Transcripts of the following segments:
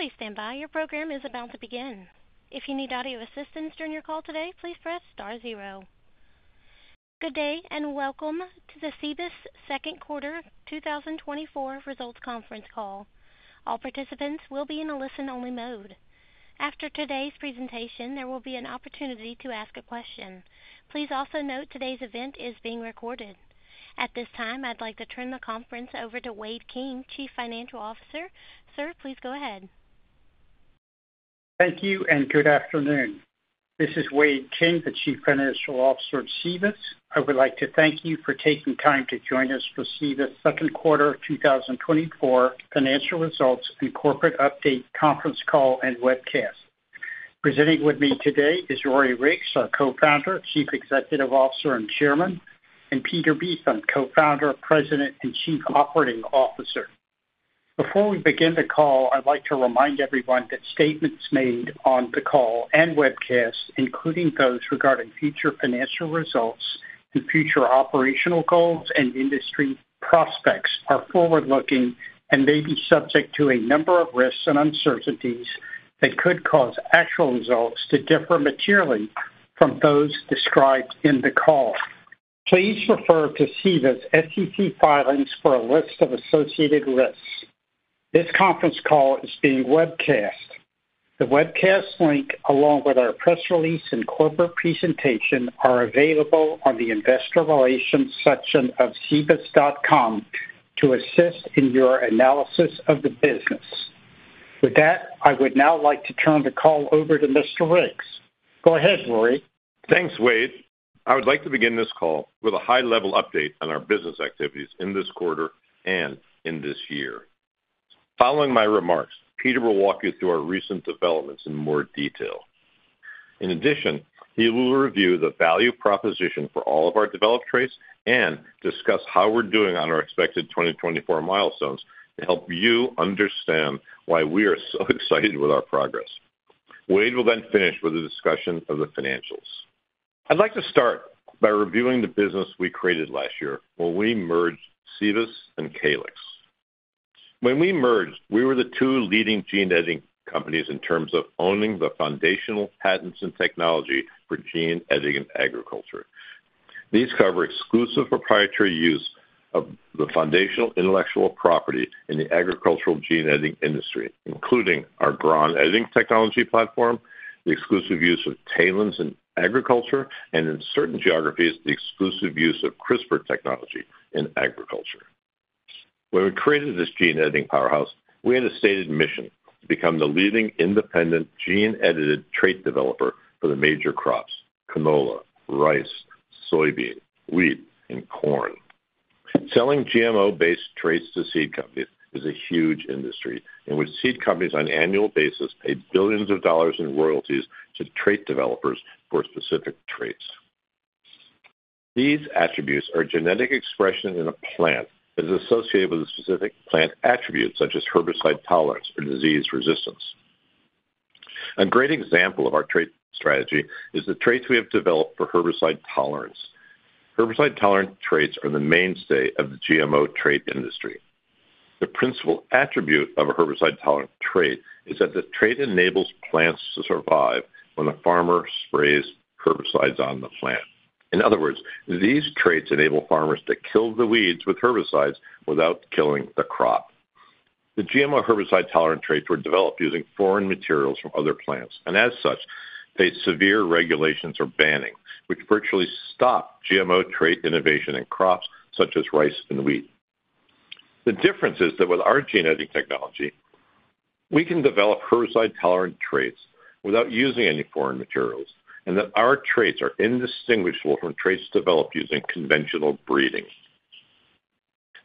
Please stand by. Your program is about to begin. If you need audio assistance during your call today, please press star zero. Good day, and welcome to the Cibus Second Quarter 2024 Results Conference Call. All participants will be in a listen-only mode. After today's presentation, there will be an opportunity to ask a question. Please also note today's event is being recorded. At this time, I'd like to turn the conference over to Wade King, Chief Financial Officer. Sir, please go ahead. Thank you and good afternoon. This is Wade King, the Chief Financial Officer of Cibus. I would like to thank you for taking time to join us for Cibus second quarter 2024 financial results and corporate update conference call and webcast. Presenting with me today is Rory Riggs, our Co-founder, Chief Executive Officer, and Chairman, and Peter Beetham, Co-founder, President, and Chief Operating Officer. Before we begin the call, I'd like to remind everyone that statements made on the call and webcast, including those regarding future financial results and future operational goals and industry prospects, are forward-looking and may be subject to a number of risks and uncertainties that could cause actual results to differ materially from those described in the call. Please refer to Cibus' SEC filings for a list of associated risks. This conference call is being webcast. The webcast link, along with our press release and corporate presentation, are available on the Investor Relations section of cibus.com to assist in your analysis of the business. With that, I would now like to turn the call over to Mr. Riggs. Go ahead, Rory. Thanks, Wade. I would like to begin this call with a high-level update on our business activities in this quarter and in this year. Following my remarks, Peter will walk you through our recent developments in more detail. In addition, he will review the value proposition for all of our developed traits and discuss how we're doing on our expected 2024 milestones to help you understand why we are so excited with our progress. Wade will then finish with a discussion of the financials. I'd like to start by reviewing the business we created last year when we merged Cibus and Calyxt. When we merged, we were the two leading gene editing companies in terms of owning the foundational patents and technology for gene editing in agriculture. These cover exclusive proprietary use of the foundational intellectual property in the agricultural gene editing industry, including our GRON editing technology platform, the exclusive use of TALENs in agriculture, and in certain geographies, the exclusive use of CRISPR technology in agriculture. When we created this gene editing powerhouse, we had a stated mission to become the leading independent gene-edited trait developer for the major crops: canola, rice, soybean, wheat, and corn. Selling GMO-based traits to seed companies is a huge industry in which seed companies, on an annual basis, pay billions of dollars in royalties to trait developers for specific traits. These attributes are genetic expression in a plant that is associated with a specific plant attribute, such as herbicide tolerance or disease resistance. A great example of our trait strategy is the traits we have developed for herbicide tolerance. Herbicide-tolerant traits are the mainstay of the GMO trait industry. The principal attribute of a herbicide-tolerant trait is that the trait enables plants to survive when a farmer sprays herbicides on the plant. In other words, these traits enable farmers to kill the weeds with herbicides without killing the crop. The GMO herbicide-tolerant traits were developed using foreign materials from other plants, and as such, face severe regulations or banning, which virtually stop GMO trait innovation in crops such as rice and wheat. The difference is that with our gene editing technology, we can develop herbicide-tolerant traits without using any foreign materials, and that our traits are indistinguishable from traits developed using conventional breeding.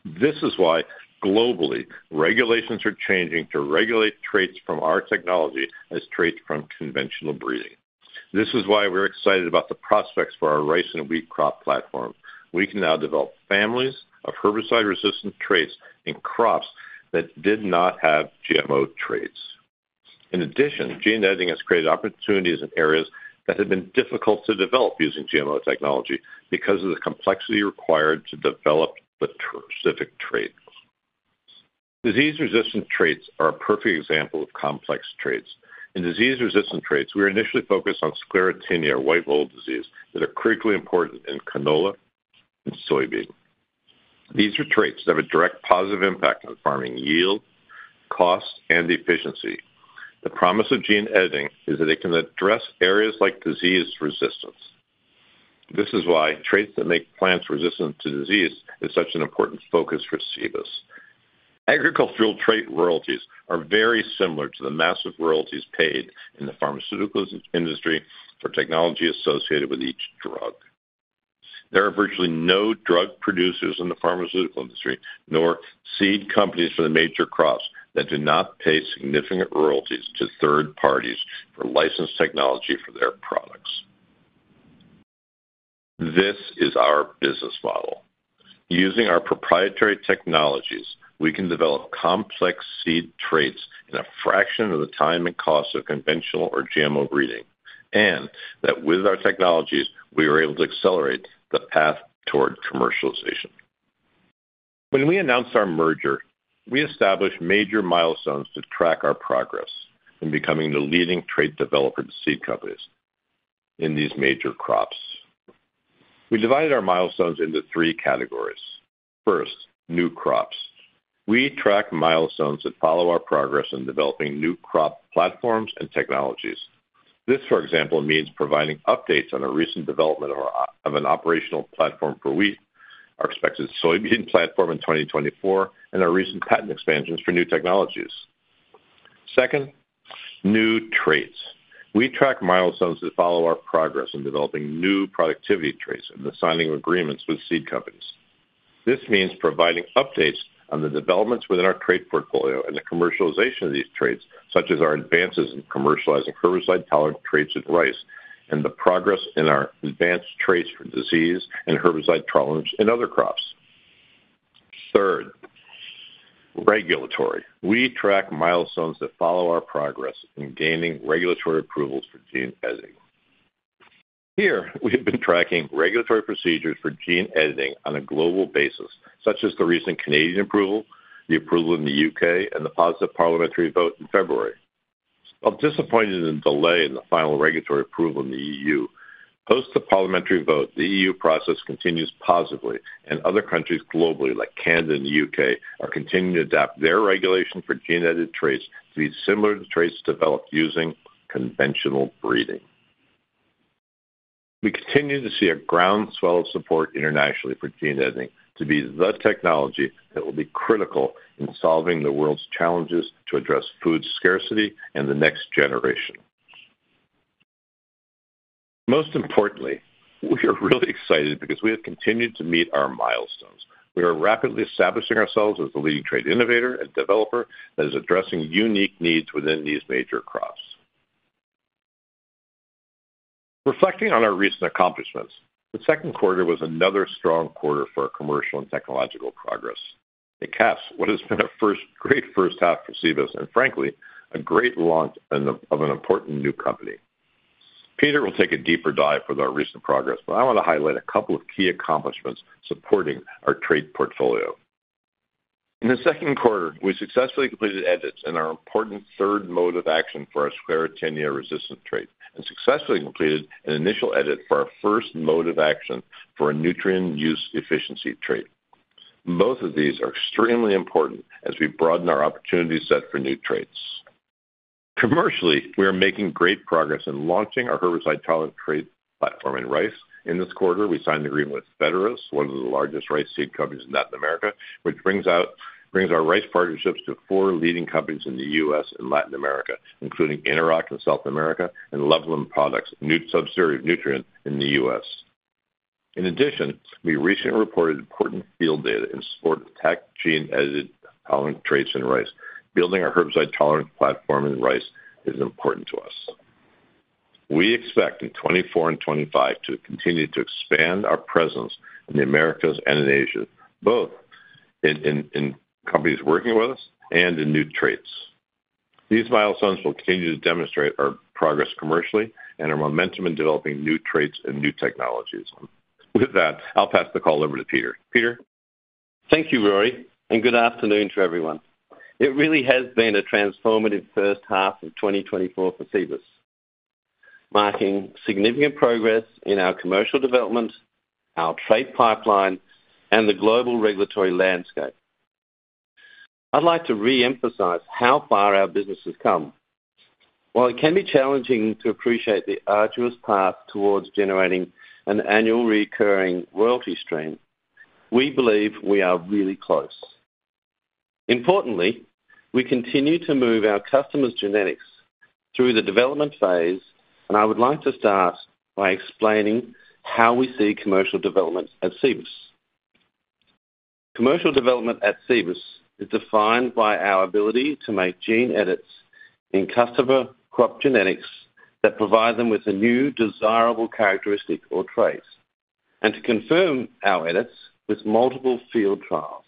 This is why, globally, regulations are changing to regulate traits from our technology as traits from conventional breeding. This is why we're excited about the prospects for our rice and wheat crop platform. We can now develop families of herbicide-resistant traits in crops that did not have GMO traits. In addition, gene editing has created opportunities in areas that have been difficult to develop using GMO technology because of the complexity required to develop the specific traits. Disease-resistant traits are a perfect example of complex traits. In disease-resistant traits, we are initially focused on Sclerotinia, or white mold disease, that are critically important in canola and soybean. These are traits that have a direct positive impact on farming yield, cost, and efficiency. The promise of gene editing is that it can address areas like disease resistance. This is why traits that make plants resistant to disease is such an important focus for Cibus. Agricultural trait royalties are very similar to the massive royalties paid in the pharmaceutical industry for technology associated with each drug. There are virtually no drug producers in the pharmaceutical industry, nor seed companies for the major crops, that do not pay significant royalties to third parties for licensed technology for their products. This is our business model. Using our proprietary technologies, we can develop complex seed traits in a fraction of the time and cost of conventional or GMO breeding... and that with our technologies, we were able to accelerate the path toward commercialization. When we announced our merger, we established major milestones to track our progress in becoming the leading trait developer to seed companies in these major crops. We divided our milestones into three categories. First, new crops. We track milestones that follow our progress in developing new crop platforms and technologies. This, for example, means providing updates on the recent development of our operational platform for wheat, our expected soybean platform in 2024, and our recent patent expansions for new technologies. Second, new traits. We track milestones that follow our progress in developing new productivity traits and the signing of agreements with seed companies. This means providing updates on the developments within our trait portfolio and the commercialization of these traits, such as our advances in commercializing herbicide-tolerant traits in rice, and the progress in our advanced traits for disease and herbicide tolerance in other crops. Third, regulatory. We track milestones that follow our progress in gaining regulatory approvals for gene editing. Here, we have been tracking regulatory procedures for gene editing on a global basis, such as the recent Canadian approval, the approval in the U.K., and the positive parliamentary vote in February. While disappointed in the delay in the final regulatory approval in the EU, post the parliamentary vote, the EU process continues positively, and other countries globally, like Canada and the U.K., are continuing to adapt their regulation for gene-edited traits to be similar to traits developed using conventional breeding. We continue to see a groundswell of support internationally for gene editing to be the technology that will be critical in solving the world's challenges to address food scarcity and the next generation. Most importantly, we are really excited because we have continued to meet our milestones. We are rapidly establishing ourselves as the leading trait innovator and developer that is addressing unique needs within these major crops. Reflecting on our recent accomplishments, the second quarter was another strong quarter for our commercial and technological progress. It caps what has been a first great first half for Cibus, and frankly, a great launch of an important new company. Peter will take a deeper dive with our recent progress, but I want to highlight a couple of key accomplishments supporting our trait portfolio. In the second quarter, we successfully completed edits in our important third mode of action for our Sclerotinia resistant trait and successfully completed an initial edit for our first mode of action for a nutrient use efficiency trait. Both of these are extremely important as we broaden our opportunity set for new traits. Commercially, we are making great progress in launching our herbicide-tolerant trait platform in rice. In this quarter, we signed an agreement with Fedearroz, one of the largest rice seed companies in Latin America, which brings our rice partnerships to four leading companies in the U.S. and Latin America, including Interoc in South America and Loveland Products, a subsidiary of Nutrien in the U.S. In addition, we recently reported important field data in support of stacked gene-edited tolerant traits in rice. Building our herbicide-tolerant platform in rice is important to us. We expect in 2024 and 2025 to continue to expand our presence in the Americas and in Asia, both in companies working with us and in new traits. These milestones will continue to demonstrate our progress commercially and our momentum in developing new traits and new technologies. With that, I'll pass the call over to Peter. Peter? Thank you, Rory, and good afternoon to everyone. It really has been a transformative first half of 2024 for Cibus, marking significant progress in our commercial development, our trait pipeline, and the global regulatory landscape. I'd like to reemphasize how far our business has come. While it can be challenging to appreciate the arduous path towards generating an annual recurring royalty stream, we believe we are really close. Importantly, we continue to move our customers' genetics through the development phase, and I would like to start by explaining how we see commercial development at Cibus. Commercial development at Cibus is defined by our ability to make gene edits in customer crop genetics that provide them with a new, desirable characteristic or traits, and to confirm our edits with multiple field trials.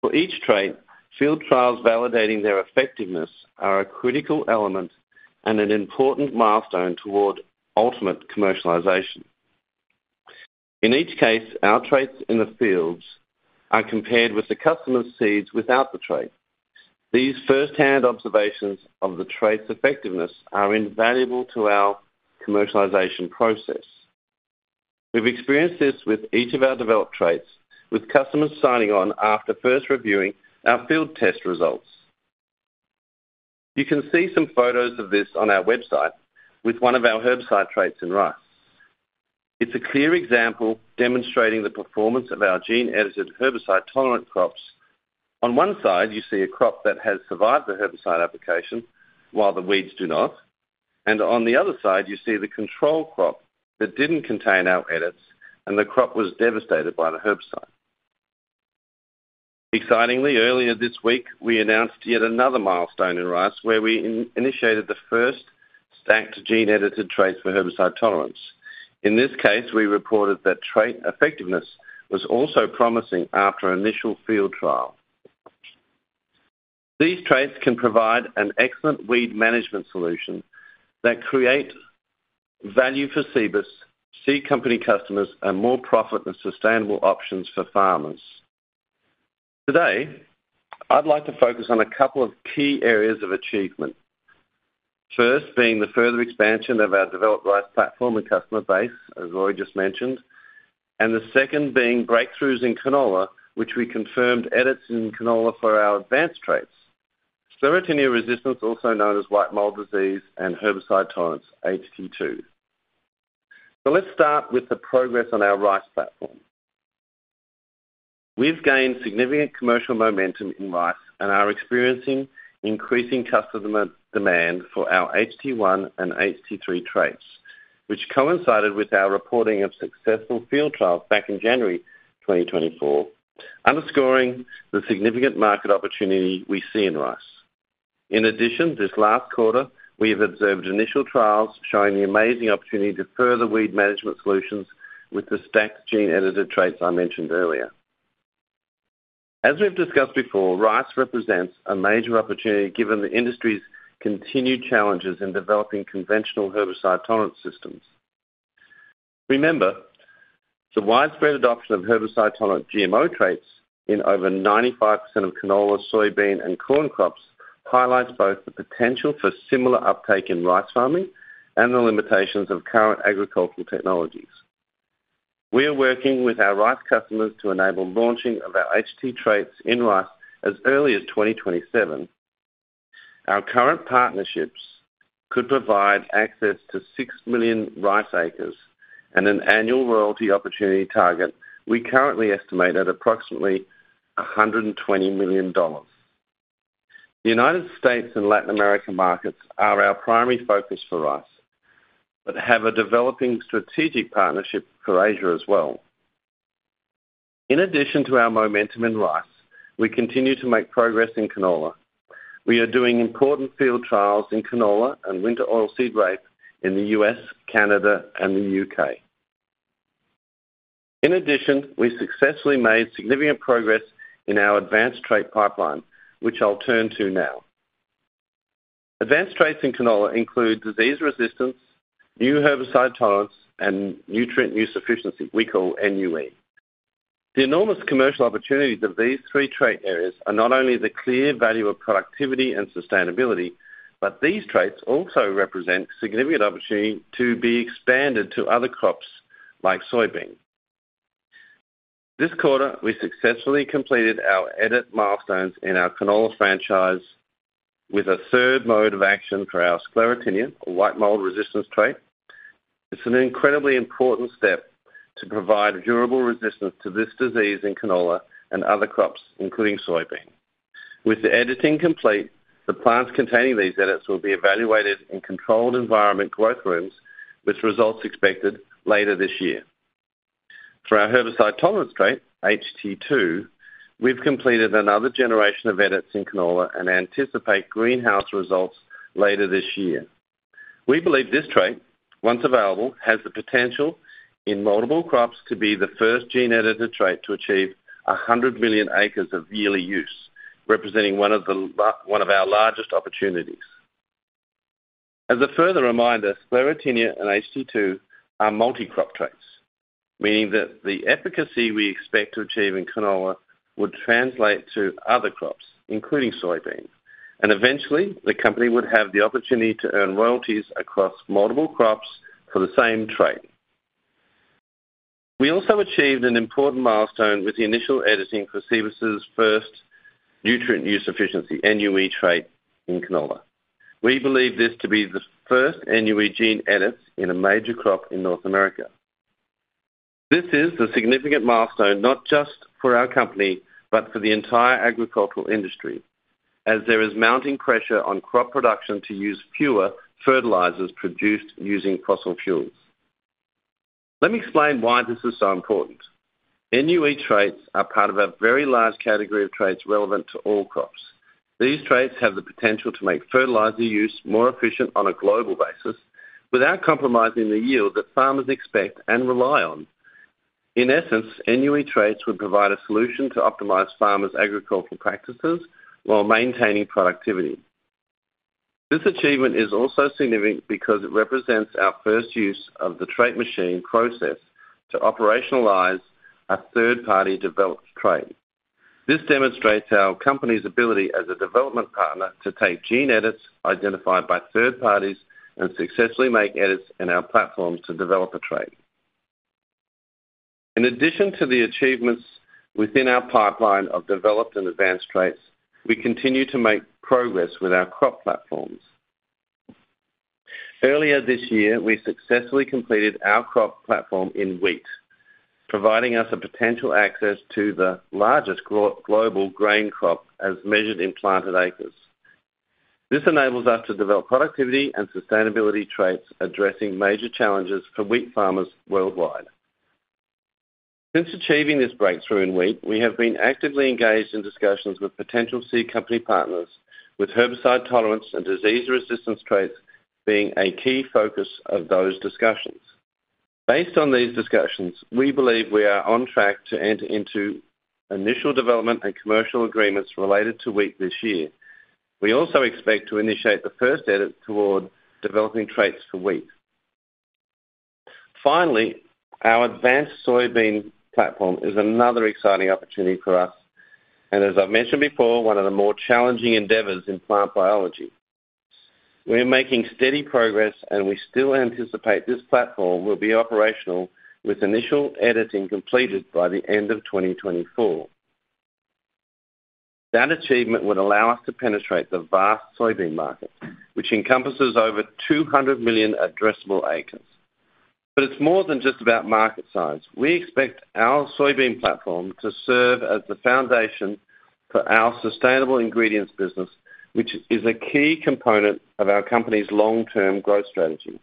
For each trait, field trials validating their effectiveness are a critical element and an important milestone toward ultimate commercialization. In each case, our traits in the fields are compared with the customer's seeds without the trait. These firsthand observations of the trait's effectiveness are invaluable to our commercialization process. We've experienced this with each of our developed traits, with customers signing on after first reviewing our field test results. You can see some photos of this on our website with one of our herbicide traits in rice. It's a clear example demonstrating the performance of our gene-edited herbicide-tolerant crops. On one side, you see a crop that has survived the herbicide application while the weeds do not, and on the other side, you see the control crop that didn't contain our edits, and the crop was devastated by the herbicide. Excitingly, earlier this week, we announced yet another milestone in rice where we initiated the first stacked gene-edited traits for herbicide tolerance. In this case, we reported that trait effectiveness was also promising after initial field trials. These traits can provide an excellent weed management solution that creates value for Cibus, seed company customers, and more profit and sustainable options for farmers. Today, I'd like to focus on a couple of key areas of achievement. First, being the further expansion of our developed rice platform and customer base, as Rory just mentioned, and the second being breakthroughs in canola, which we confirmed edits in canola for our advanced traits. Sclerotinia resistance, also known as white mold disease, and herbicide tolerance, HT2. So let's start with the progress on our rice platform. We've gained significant commercial momentum in rice, and are experiencing increasing customer demand for our HT1 and HT3 traits, which coincided with our reporting of successful field trials back in January 2024, underscoring the significant market opportunity we see in rice. In addition, this last quarter, we have observed initial trials showing the amazing opportunity to further weed management solutions with the stacked gene-edited traits I mentioned earlier. As we've discussed before, rice represents a major opportunity, given the industry's continued challenges in developing conventional herbicide-tolerant systems. Remember, the widespread adoption of herbicide-tolerant GMO traits in over 95% of canola, soybean, and corn crops highlights both the potential for similar uptake in rice farming and the limitations of current agricultural technologies. We are working with our rice customers to enable launching of our HT traits in rice as early as 2027. Our current partnerships could provide access to 6 million rice acres and an annual royalty opportunity target we currently estimate at approximately $120 million. The United States and Latin America markets are our primary focus for rice, but we have a developing strategic partnership for Asia as well. In addition to our momentum in rice, we continue to make progress in canola. We are doing important field trials in canola and winter oilseed rape in the U.S., Canada, and the U.K. In addition, we successfully made significant progress in our advanced trait pipeline, which I'll turn to now. Advanced traits in canola include disease resistance, new herbicide tolerance, and nutrient use efficiency. We call it NUE. The enormous commercial opportunities of these three trait areas are not only the clear value of productivity and sustainability, but these traits also represent significant opportunity to be expanded to other crops, like soybean. This quarter, we successfully completed our edit milestones in our canola franchise with a third mode of action for our Sclerotinia or white mold resistance trait. It's an incredibly important step to provide durable resistance to this disease in canola and other crops, including soybean. With the editing complete, the plants containing these edits will be evaluated in controlled environment growth rooms, with results expected later this year. For our herbicide tolerance trait, HT2, we've completed another generation of edits in canola and anticipate greenhouse results later this year. We believe this trait, once available, has the potential in multiple crops to be the first gene-edited trait to achieve 100 million acres of yearly use, representing one of our largest opportunities. As a further reminder, Sclerotinia and HT2 are multi-crop traits, meaning that the efficacy we expect to achieve in canola would translate to other crops, including soybeans, and eventually, the company would have the opportunity to earn royalties across multiple crops for the same trait. We also achieved an important milestone with the initial editing for Cibus's first nutrient use efficiency, NUE trait in canola. We believe this to be the first NUE gene edits in a major crop in North America. This is a significant milestone, not just for our company, but for the entire agricultural industry, as there is mounting pressure on crop production to use fewer fertilizers produced using fossil fuels. Let me explain why this is so important. NUE traits are part of a very large category of traits relevant to all crops. These traits have the potential to make fertilizer use more efficient on a global basis, without compromising the yield that farmers expect and rely on. In essence, NUE traits would provide a solution to optimize farmers' agricultural practices while maintaining productivity. This achievement is also significant because it represents our first use of The Trait Machine process to operationalize a third-party-developed trait. This demonstrates our company's ability as a development partner to take gene edits identified by third parties and successfully make edits in our platforms to develop a trait. In addition to the achievements within our pipeline of developed and advanced traits, we continue to make progress with our crop platforms. Earlier this year, we successfully completed our crop platform in wheat, providing us a potential access to the largest global grain crop as measured in planted acres. This enables us to develop productivity and sustainability traits, addressing major challenges for wheat farmers worldwide. Since achieving this breakthrough in wheat, we have been actively engaged in discussions with potential seed company partners, with herbicide tolerance and disease resistance traits being a key focus of those discussions. Based on these discussions, we believe we are on track to enter into initial development and commercial agreements related to wheat this year. We also expect to initiate the first edit toward developing traits for wheat. Finally, our advanced soybean platform is another exciting opportunity for us, and as I've mentioned before, one of the more challenging endeavors in plant biology. We're making steady progress, and we still anticipate this platform will be operational, with initial editing completed by the end of 2024. That achievement would allow us to penetrate the vast soybean market, which encompasses over 200 million addressable acres. But it's more than just about market size. We expect our soybean platform to serve as the foundation Sustainable Ingredients business, which is a key component of our company's long-term growth strategy.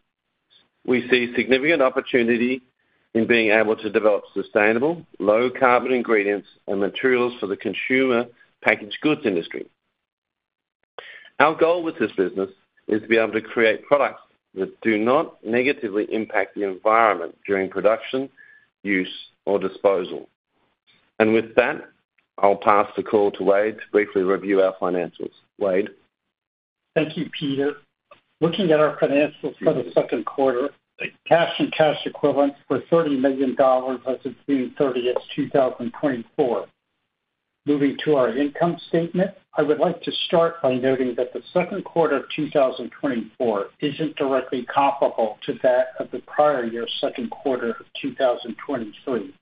We see significant opportunity in being able to develop sustainable, low-carbon ingredients and materials for the consumer packaged goods industry. Our goal with this business is to be able to create products that do not negatively impact the environment during production, use, or disposal. With that, I'll pass the call to Wade to briefly review our financials. Wade? Thank you, Peter. Looking at our financials for the second quarter, the cash and cash equivalents were $30 million as of June 30th, 2024. Moving to our income statement, I would like to start by noting that the second quarter of 2024 isn't directly comparable to that of the prior year second quarter of 2023,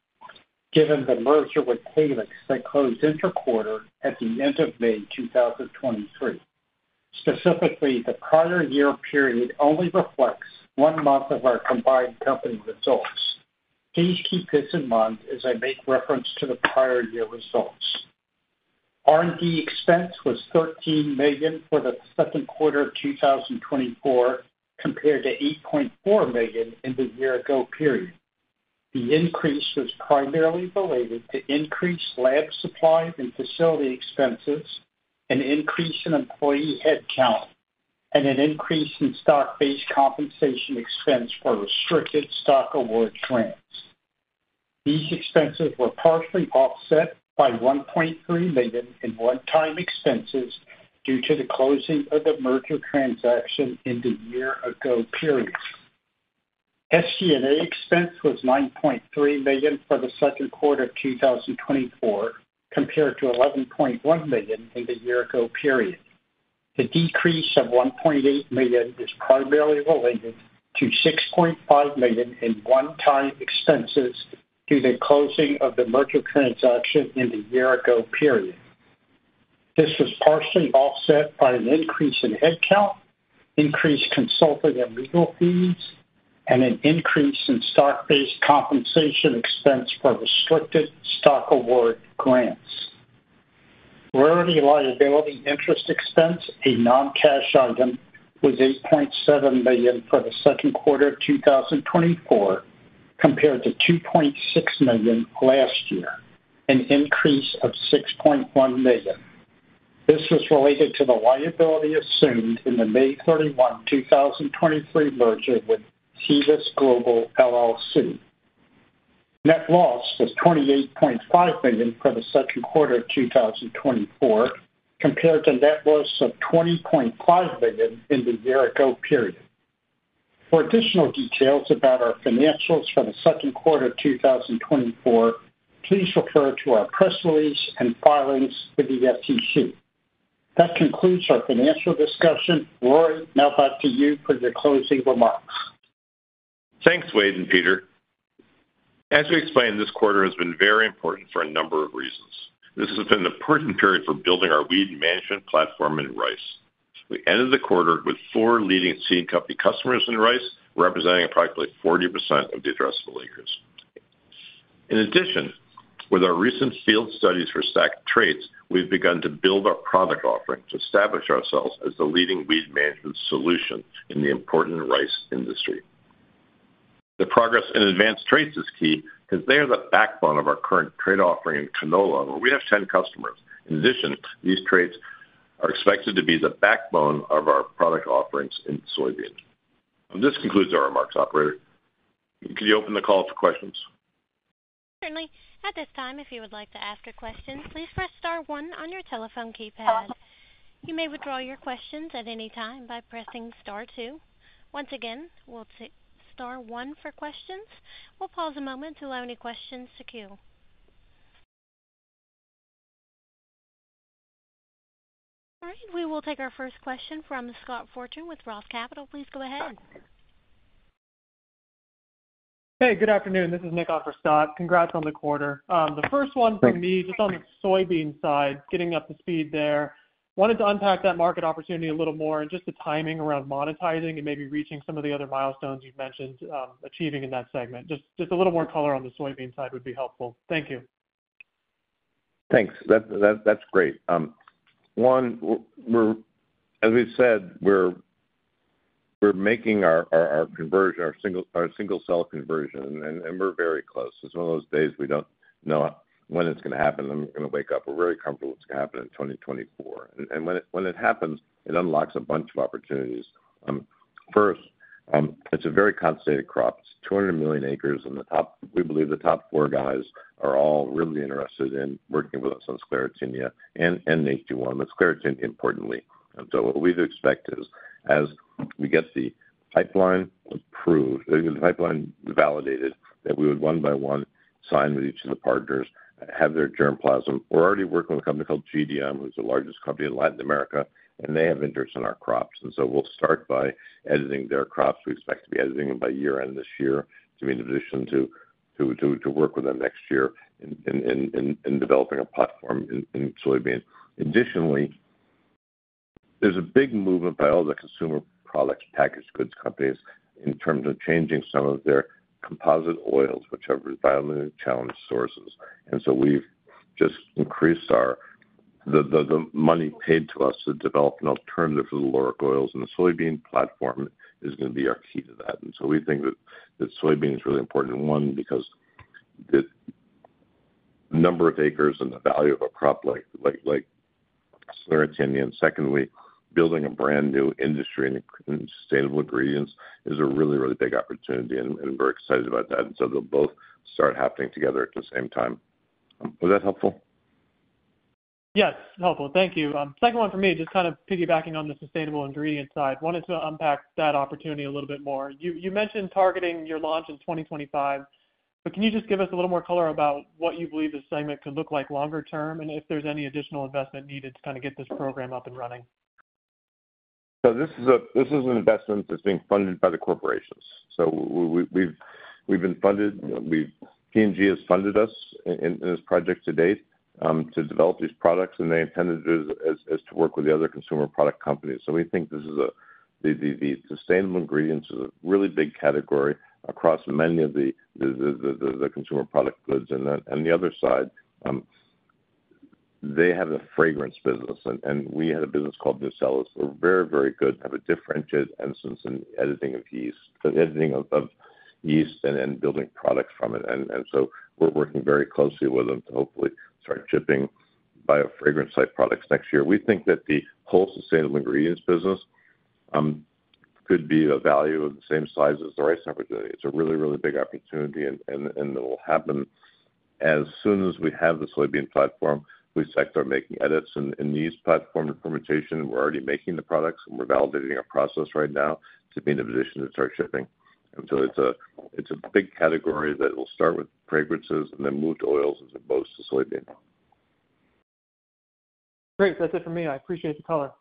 given the merger with Calyxt that closed intra-quarter at the end of May 2023. Specifically, the prior year period only reflects one month of our combined company results. Please keep this in mind as I make reference to the prior year results. R&D expense was $13 million for the second quarter of 2024, compared to $8.4 million in the year-ago period. The increase was primarily related to increased lab supplies and facility expenses, an increase in employee headcount, and an increase in stock-based compensation expense for restricted stock award grants. These expenses were partially offset by $1.3 million in one-time expenses due to the closing of the merger transaction in the year-ago period. SG&A expense was $9.3 million for the second quarter of 2024, compared to $11.1 million in the year-ago period. The decrease of $1.8 million is primarily related to $6.5 million in one-time expenses due to the closing of the merger transaction in the year-ago period. This was partially offset by an increase in headcount, increased consulting and legal fees, and an increase in stock-based compensation expense for restricted stock award grants. Royalty liability interest expense, a non-cash item, was $8.7 million for the second quarter of 2024, compared to $2.6 million last year, an increase of $6.1 million. This was related to the liability assumed in the May 31, 2023 merger with Cibus Global, LLC. Net loss was $28.5 million for the second quarter of 2024, compared to net loss of $20.5 million in the year-ago period. For additional details about our financials for the second quarter of 2024, please refer to our press release and filings with the SEC. That concludes our financial discussion. Rory, now back to you for your closing remarks. Thanks, Wade and Peter. As we explained, this quarter has been very important for a number of reasons. This has been an important period for building our weed management platform in rice. We ended the quarter with four leading seed company customers in rice, representing approximately 40% of the addressable acres. In addition, with our recent field studies for stacked traits, we've begun to build our product offering to establish ourselves as the leading weed management solution in the important rice industry. The progress in advanced traits is key because they are the backbone of our current trait offering in canola, where we have 10 customers. In addition, these traits are expected to be the backbone of our product offerings in soybeans. This concludes our remarks, operator. Can you open the call for questions? Certainly. At this time, if you would like to ask a question, please press star one on your telephone keypad. You may withdraw your questions at any time by pressing star two. Once again, we'll take star one for questions. We'll pause a moment to allow any questions to queue. All right, we will take our first question from Scott Fortune with Roth Capital. Please go ahead. Hey, good afternoon. This is Nick off for Scott. Congrats on the quarter. The first one from me, Thank you. Just on the soybean side, getting up to speed there. Wanted to unpack that market opportunity a little more and just the timing around monetizing and maybe reaching some of the other milestones you've mentioned, achieving in that segment. Just, just a little more color on the soybean side would be helpful. Thank you. Thanks. That's great. As we've said, we're making our single cell conversion, and we're very close. It's one of those days we don't know when it's gonna happen, and we're gonna wake up. We're very comfortable it's gonna happen in 2024. And when it happens, it unlocks a bunch of opportunities. First...... It's a very concentrated crop. It's 200 million acres, and the top—we believe the top four guys are all really interested in working with us on Sclerotinia and HT1, but Sclerotinia, importantly. And so what we'd expect is, as we get the pipeline approved, the pipeline validated, that we would one by one sign with each of the partners, have their germplasm. We're already working with a company called GDM, who's the largest company in Latin America, and they have interest in our crops. And so we'll start by editing their crops. We expect to be editing them by year-end this year, to be in a position to work with them next year in developing a platform in soybeans. Additionally, there's a big movement by all the consumer products, packaged goods companies, in terms of changing some of their composite oils, which have environmentally challenged sources. And so we've just increased the money paid to us to develop an alternative for the lauric oils, and the soybean platform is gonna be our key to that. And so we think that soybeans is really important, one, because the number of acres and the value of a crop like Sclerotinia, and secondly, building a brand new Sustainable Ingredients is a really, really big opportunity, and we're excited about that. And so they'll both start happening together at the same time. Was that helpful? Yes, helpful. Thank you. Second one for me, just kind of piggybacking on the Sustainable Ingredient side. Wanted to unpack that opportunity a little bit more. You, you mentioned targeting your launch in 2025, but can you just give us a little more color about what you believe this segment could look like longer term, and if there's any additional investment needed to kind of get this program up and running? So this is an investment that's being funded by the corporations. So we've been funded. P&G has funded us in this project to date to develop these products, and they intended it as to work with the other consumer product companies. So we think this Sustainable Ingredients is a really big category across many of the consumer product goods. And then on the other side, they have a fragrance business, and we had a business called Nucelis. So we're very, very good, have a differentiated instance in editing of yeast, so editing of yeast and building products from it. And so we're working very closely with them to hopefully start shipping biofragrance-like products next year. We think that Sustainable Ingredients business could be a value of the same size as the rice category. It's a really, really big opportunity, and it will happen as soon as we have the soybean platform. We expect our making edits and yeast platform fermentation, we're already making the products, and we're validating our process right now to be in a position to start shipping. And so it's a big category that will start with fragrances and then move to oils and then both to soybean. Great. That's it for me. I appreciate the color.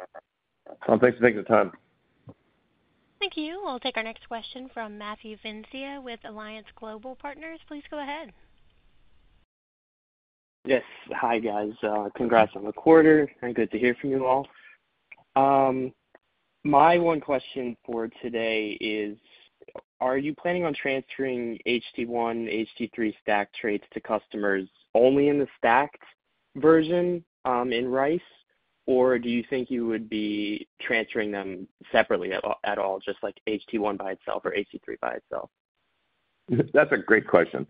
Thanks. Thanks for the time. Thank you. We'll take our next question from Matthew Venezia, with Alliance Global Partners. Please go ahead. Yes. Hi, guys. Congrats on the quarter, and good to hear from you all. My one question for today is, are you planning on transferring HT1, HT3 stack traits to customers only in the stacked version, in rice? Or do you think you would be transferring them separately at all, at all, just like HT1 by itself or HT3 by itself? That's a great question.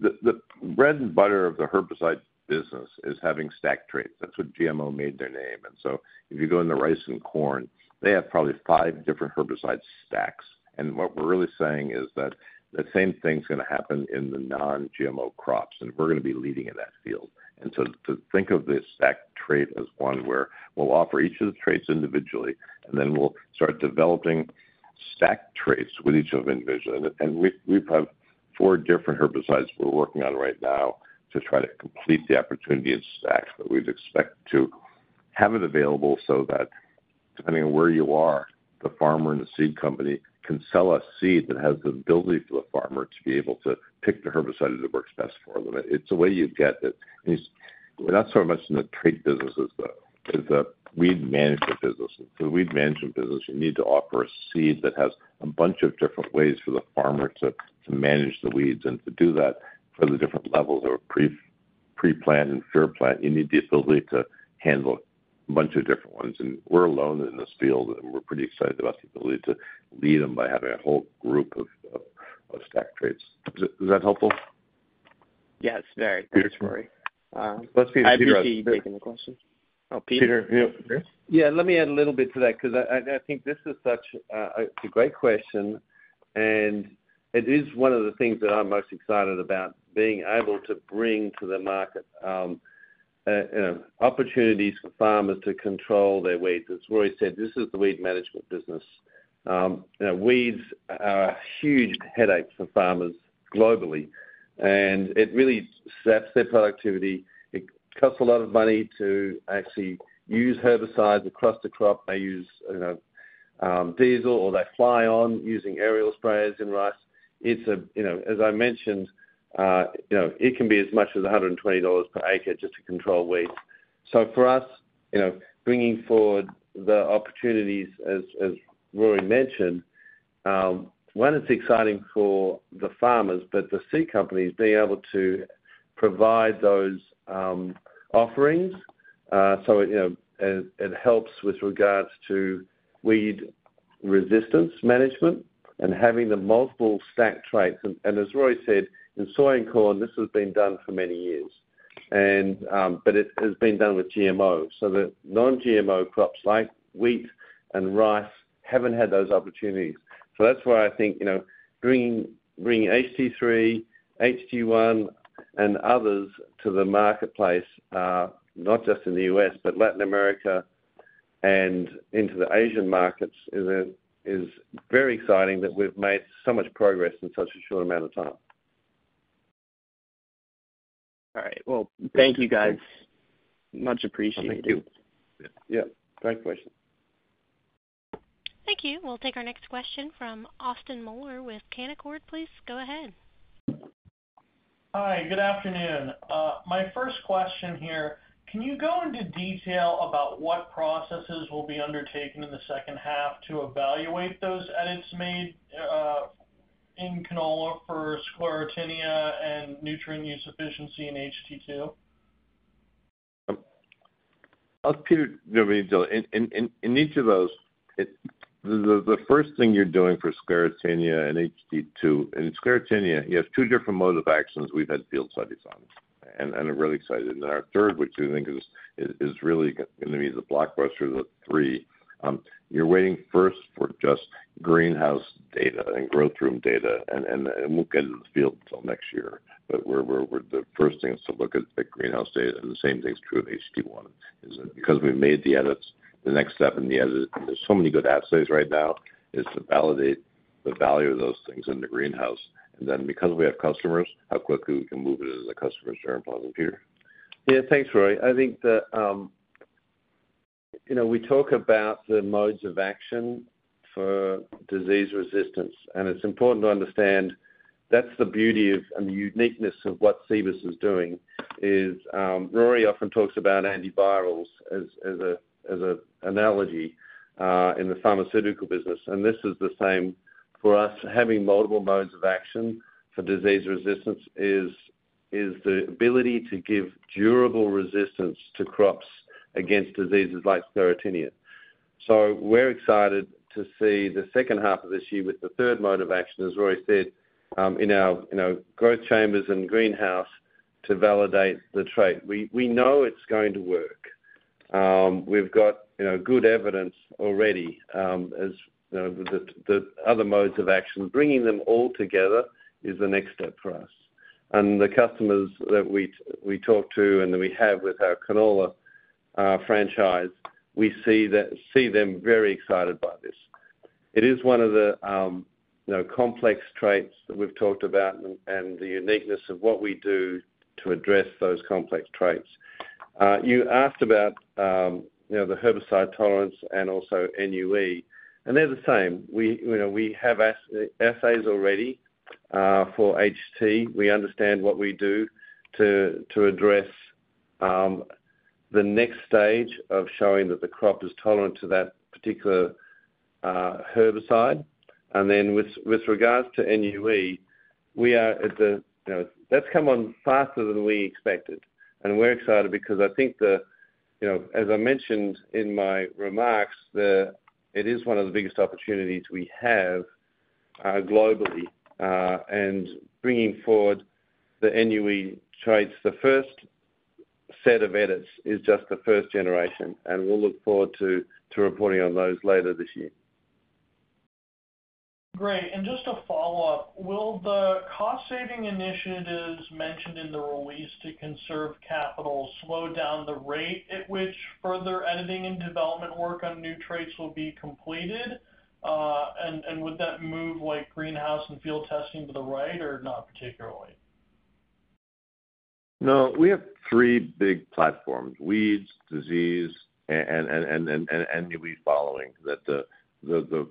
The bread and butter of the herbicide business is having stack traits. That's what GMO made their name. And so if you go in the rice and corn, they have probably five different herbicide stacks. And what we're really saying is that the same thing's gonna happen in the non-GMO crops, and we're gonna be leading in that field. And so to think of this stack trait as one where we'll offer each of the traits individually, and then we'll start developing stack traits with each of them individually. And we have four different herbicides we're working on right now to try to complete the opportunity in stacks. But we'd expect to have it available so that depending on where you are, the farmer and the seed company can sell seed that has the ability for the farmer to be able to pick the herbicide that works best for them. It's a way you get it. It's... We're not so much in the trait business as the weed management business. In the weed management business, you need to offer a seed that has a bunch of different ways for the farmer to manage the weeds, and to do that for the different levels of pre-plant and post-plant, you need the ability to handle a bunch of different ones. And we're alone in this field, and we're pretty excited about the ability to lead them by having a whole group of stack traits. Is that helpful? Yes, very. Great. Um, Let's see- I see you taking the question. Oh, Peter? Peter, yeah. Yeah, let me add a little bit to that because I, I, I think this is such a, a great question, and it is one of the things that I'm most excited about, being able to bring to the market, opportunities for farmers to control their weeds. As Rory said, this is the weed management business. You know, weeds are a huge headache for farmers globally, and it really zaps their productivity. It costs a lot of money to actually use herbicides across the crop. They use, you know, diesel, or they fly on using aerial sprayers in rice. It's a, you know, as I mentioned, you know, it can be as much as $120 per acre just to control weeds. So for us, you know, bringing forward the opportunities, as Rory mentioned, it's exciting for the farmers, but the seed companies being able to provide those offerings, so, you know, it helps with regards to weed resistance management and having the multiple stacked traits. And as Rory said, in soy and corn, this has been done for many years, but it has been done with GMO. So the non-GMO crops, like wheat and rice, haven't had those opportunities. So that's why I think, you know, bringing HT3, HT1, and others to the marketplace, not just in the U.S., but Latin America and into the Asian markets, is very exciting that we've made so much progress in such a short amount of time. All right. Well, thank you, guys. Much appreciated. Thank you. Yeah, great question. Thank you. We'll take our next question from Austin Moeller with Canaccord. Please, go ahead. Hi, good afternoon. My first question here, can you go into detail about what processes will be undertaken in the second half to evaluate those edits made, in canola for Sclerotinia and nutrient use efficiency in HT2? I'll – Peter, do you want me to tell... In each of those, the first thing you're doing for Sclerotinia and HT2, and Sclerotinia, you have two different modes of action we've had field studies on, and I'm really excited. Our third, which we think is really gonna be the blockbuster of the three, you're waiting first for just greenhouse data and growth room data, and we'll get into the field until next year. But we're... The first thing is to look at the greenhouse data, and the same thing's true of HT1, is that because we've made the edits, the next step in the edit, there's so many good assays right now, is to validate the value of those things in the greenhouse. And then, because we have customers, how quickly we can move it into the customers are involved in here. Yeah, thanks, Rory. I think that, you know, we talk about the modes of action for disease resistance, and it's important to understand that's the beauty of, and the uniqueness of what Cibus is doing is, Rory often talks about antivirals as an analogy in the pharmaceutical business, and this is the same for us. Having multiple modes of action for disease resistance is the ability to give durable resistance to crops against diseases like Sclerotinia. So we're excited to see the second half of this year with the third mode of action, as Rory said, in our, you know, growth chambers and greenhouse to validate the trait. We know it's going to work. We've got, you know, good evidence already, as you know, the other modes of action. Bringing them all together is the next step for us. The customers that we talk to and that we have with our canola franchise, we see them very excited by this. It is one of the, you know, complex traits that we've talked about and the uniqueness of what we do to address those complex traits. You asked about, you know, the herbicide tolerance and also NUE, and they're the same. We, you know, we have assays already for HT. We understand what we do to address the next stage of showing that the crop is tolerant to that particular herbicide. And then with regards to NUE, we are at the, you know, that's come on faster than we expected, and we're excited because I think the, you know, as I mentioned in my remarks, it is one of the biggest opportunities we have, globally, and bringing forward the NUE traits. The first set of edits is just the first generation, and we'll look forward to reporting on those later this year. Great. And just a follow-up, will the cost-saving initiatives mentioned in the release to conserve capital slow down the rate at which further editing and development work on new traits will be completed? And would that move like greenhouse and field testing to the right or not particularly? No, we have three big platforms: weeds, disease, and NUE following that the...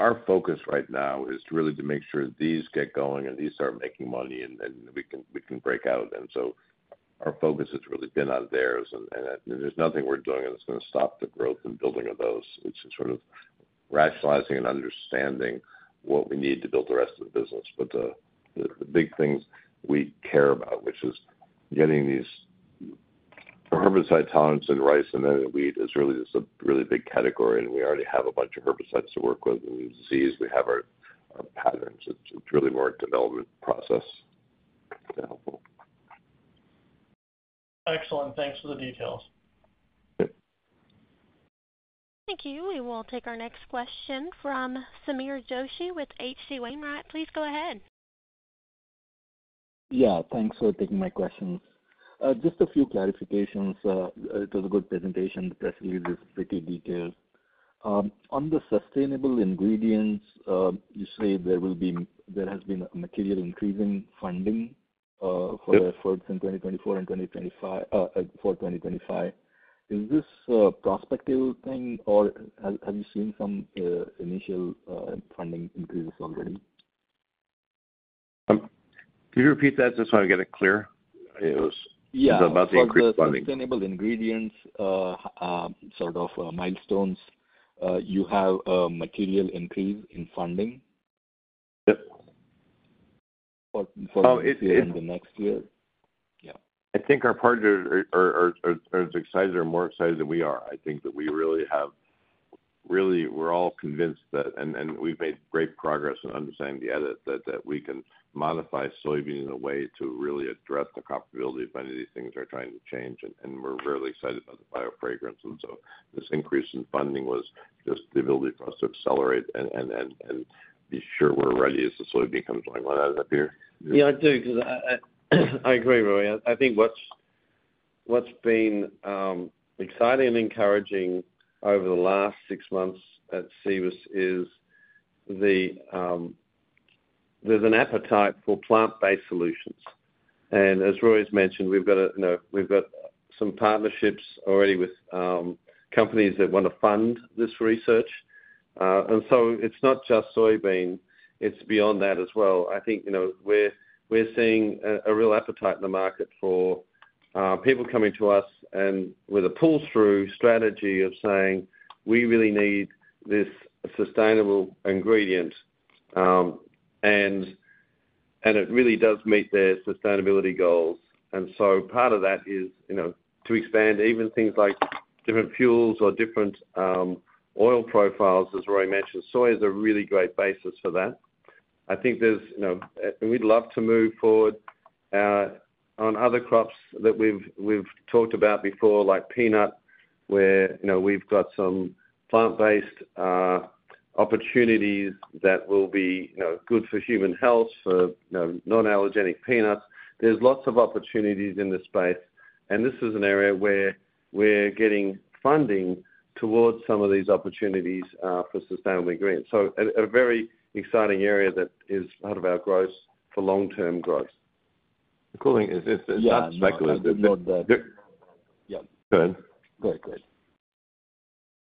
Our focus right now is really to make sure these get going and these start making money, and then we can break out of them. So our focus has really been on theirs, and there's nothing we're doing that's gonna stop the growth and building of those. It's sort of rationalizing and understanding what we need to build the rest of the business. But the big things we care about, which is getting these herbicide tolerance in rice and then wheat, is really just a really big category, and we already have a bunch of herbicides to work with. In disease, we have our patents. It's really more a development process. Is that helpful? Excellent. Thanks for the details. Yep. Thank you. We will take our next question from Sameer Joshi with H.C. Wainwright. Please go ahead. Yeah, thanks for taking my questions. Just a few clarifications. It was a good presentation, especially with pretty detailed. Sustainable Ingredients, you say there will be- there has been a material increase in funding, for- Yep... efforts in 2024 and 2025, for 2025. Is this a prospective thing, or have you seen some initial funding increases already? Could you repeat that just so I get it clear? It was- Yeah. About the increased funding. Sustainable Ingredients, sort of, milestones, you have a material increase in funding? Yep. For, for- Uh, it, it- In the next year? Yeah. I think our partners are as excited or more excited than we are. I think that we really have. Really, we're all convinced that, and we've made great progress in understanding the edit, that we can modify soybean in a way to really address the comparability of many of these things are trying to change, and we're really excited about the biofragrance. And so this increase in funding was just the ability for us to accelerate and be sure we're ready as the soybean comes online. Does that, Peter? Yeah, I do, because I agree, Rory. I think what's been exciting and encouraging over the last six months at Cibus is there's an appetite for plant-based solutions. And as Rory's mentioned, we've got some partnerships already with companies that want to fund this research. And so it's not just soybean, it's beyond that as well. I think, you know, we're seeing a real appetite in the market for people coming to us with a pull-through strategy of saying, "We really need this Sustainable Ingredient." And it really does meet their sustainability goals. And so part of that is, you know, to expand even things like different fuels or different oil profiles. As Rory mentioned, soy is a really great basis for that. I think there's, you know, and we'd love to move forward on other crops that we've talked about before, like peanut, where, you know, we've got some plant-based opportunities that will be, you know, good for human health, for non-allergenic peanuts. There's lots of opportunities in this space, and this is an area where we're getting funding towards some of these Sustainable Ingredients. So a very exciting area that is part of our growth for long-term growth. The cool thing is, is it's not speculative. Yeah. Go ahead. Go ahead, please.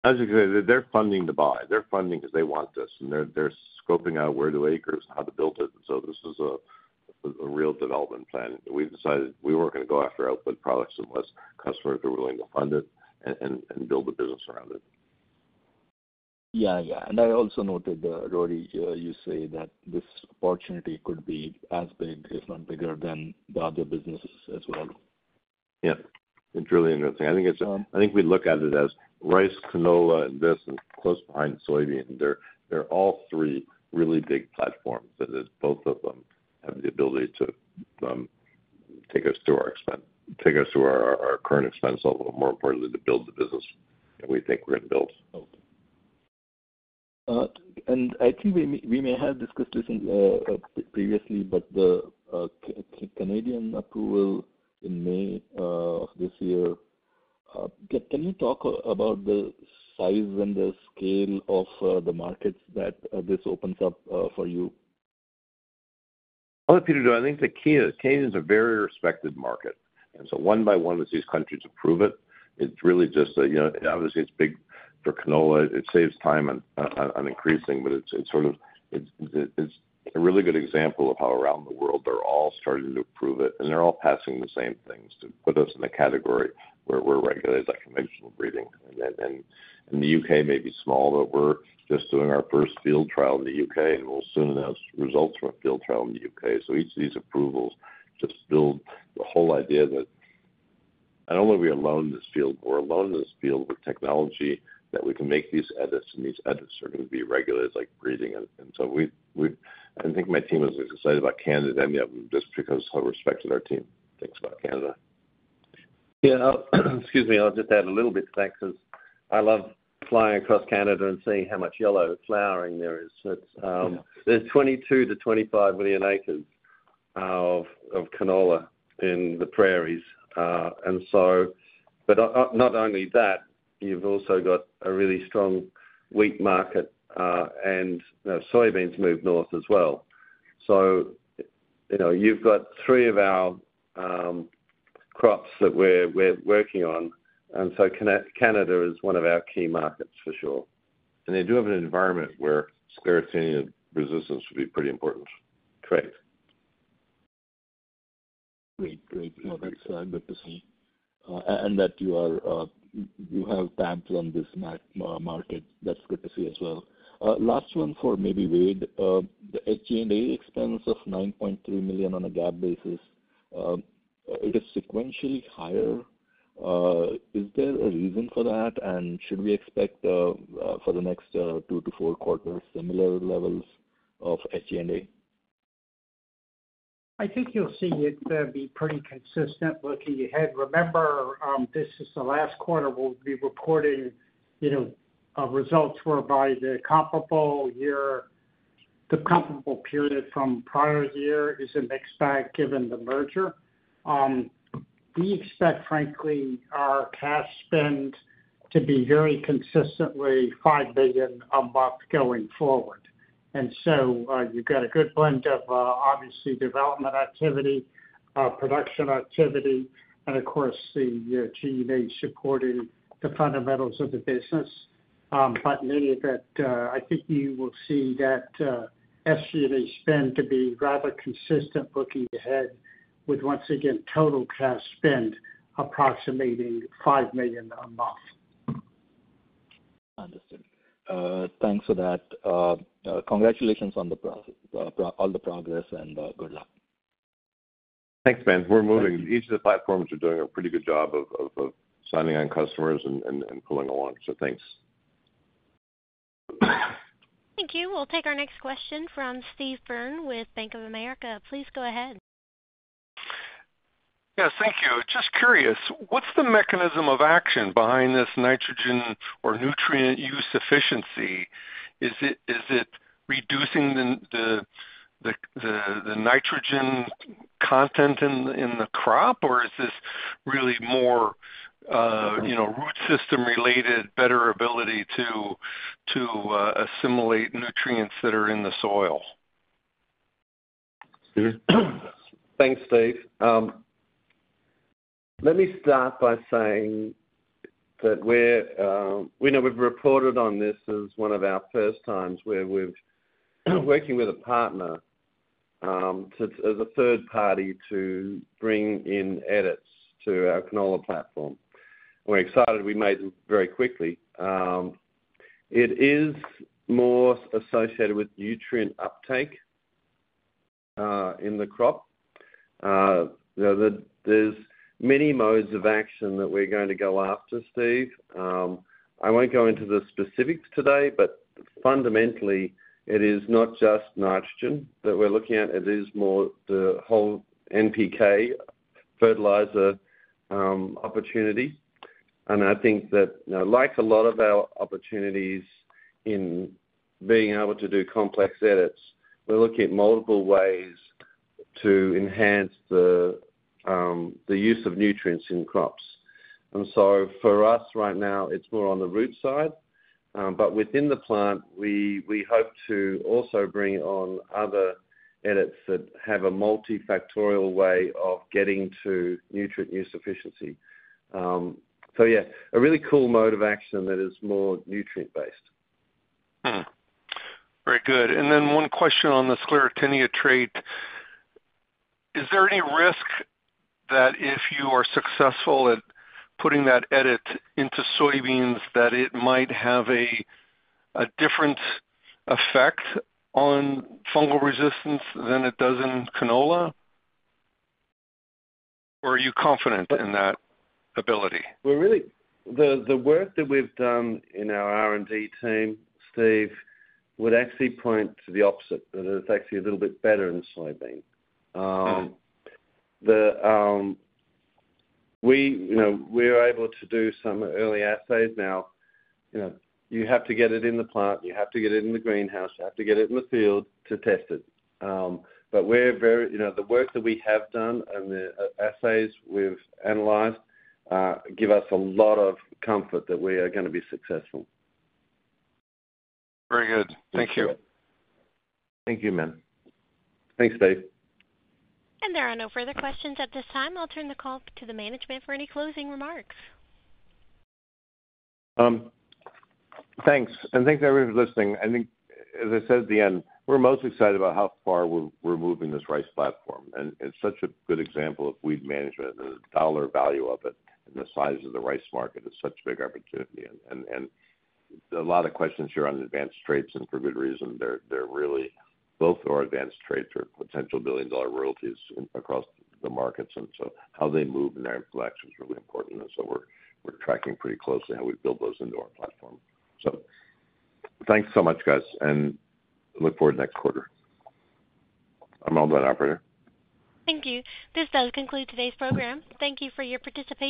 As you said, they're funding to buy. They're funding because they want this, and they're scoping out where do acres and how to build it. So this is a real development plan. We decided we weren't gonna go after output products unless customers are willing to fund it and build a business around it. Yeah. Yeah, and I also noted, Rory, you say that this opportunity could be as big, if not bigger than the other businesses as well. Yeah, it's really interesting. I think we look at it as rice, canola, and this is close behind soybean. They're all three really big platforms, and both of them have the ability to take us through our current expense level, more importantly, to build the business that we think we're going to build. I think we may, we may have discussed this previously, but the Canadian approval in May this year, can, can you talk about the size and the scale of the markets that this opens up for you? I'll let Peter do it. I think the key is Canada is a very respected market, and so one by one, as these countries approve it, it's really just a, you know, obviously it's big for canola. It saves time on, on, on increasing, but it's, it's sort of, it's, it's a really good example of how around the world they're all starting to approve it, and they're all passing the same things to put us in a category where we're regulated like conventional breeding. And, and, and the U.K. may be small, but we're just doing our first field trial in the U.K., and we'll soon announce results from a field trial in the U.K. So each of these approvals just build the whole idea that not only are we alone in this field, but we're alone in this field with technology that we can make these edits, and these edits are going to be regulated like breeding. And so we've—I think my team is as excited about Canada, just because how respected our team thinks about Canada. Yeah. Excuse me. I'll just add a little bit to that, because I love flying across Canada and seeing how much yellow flowering there is. It's. Yeah. There's 22 million acres-25 million acres of canola in the prairies. And so, but not only that, you've also got a really strong wheat market, and you know, soybeans moved north as well. So, you know, you've got three of our crops that we're working on, and so Canada is one of our key markets for sure. They do have an environment where Sclerotinia resistance would be pretty important. Great. Great, great. Well, that's good to see. And that you are, you have plans on this market. That's good to see as well. Last one for maybe Wade. The SG&A expense of $9.3 million on a GAAP basis, it is sequentially higher. Is there a reason for that? And should we expect for the next two to four quarters, similar levels of SG&A? I think you'll see it be pretty consistent looking ahead. Remember, this is the last quarter we'll be reporting, you know, results whereby the comparable year, the comparable period from prior year is in mixed bag, given the merger. We expect, frankly, our cash spend to be very consistently $5 billion a month going forward. And so, you've got a good blend of, obviously, development activity, production activity, and of course, the G&A supporting the fundamentals of the business. But maybe that, I think you will see that, SG&A spend to be rather consistent looking ahead, with once again, total cash spend approximating $5 million a month. Understood. Thanks for that. Congratulations on all the progress and good luck. Thanks, men. We're moving. Each of the platforms are doing a pretty good job of signing on customers and pulling along. So thanks. Thank you. We'll take our next question from Steve Byrne with Bank of America. Please go ahead. Yes, thank you. Just curious, what's the mechanism of action behind this nitrogen or nutrient use efficiency? Is it reducing the nitrogen content in the crop, or is this really more, you know, root system related, better ability to assimilate nutrients that are in the soil? Stephen? Thanks, Steve. Let me start by saying that we're, we know we've reported on this as one of our first times where we've working with a partner, as a third party to bring in edits to our canola platform. We're excited we made it very quickly. It is more associated with nutrient uptake in the crop. You know, there's many modes of action that we're going to go after, Steve. I won't go into the specifics today, but fundamentally, it is not just nitrogen that we're looking at. It is more the whole NPK fertilizer opportunity. And I think that, you know, like a lot of our opportunities in being able to do complex edits, we're looking at multiple ways to enhance the use of nutrients in crops. And so for us right now, it's more on the root side. But within the plant, we hope to also bring on other edits that have a multifactorial way of getting to nutrient use efficiency. So yeah, a really cool mode of action that is more nutrient-based. Hmm. Very good. And then one question on the Sclerotinia trait: Is there any risk that if you are successful at putting that edit into soybeans, that it might have a different effect on fungal resistance than it does in canola? Or are you confident in that ability? We're really... The work that we've done in our R&D team, Steve, would actually point to the opposite, that it's actually a little bit better in soybean. Oh. We, you know, we're able to do some early assays now. You know, you have to get it in the plant, you have to get it in the greenhouse, you have to get it in the field to test it. But we're very, you know, the work that we have done and the assays we've analyzed give us a lot of comfort that we are gonna be successful. Very good. Thank you. Thank you, men. Thanks, Steve. There are no further questions at this time. I'll turn the call to the management for any closing remarks. Thanks, and thanks to everyone for listening. I think, as I said at the end, we're most excited about how far we're moving this rice platform, and it's such a good example of weed management and the dollar value of it, and the size of the rice market is such a big opportunity. And a lot of questions here on advanced traits, and for good reason. They're really, both of our advanced traits are potential billion-dollar royalties across the markets, and so how they move in our collection is really important, and so we're tracking pretty closely how we build those into our platform. So thanks so much, guys, and look forward to next quarter. I'm all done, operator. Thank you. This does conclude today's program. Thank you for your participation.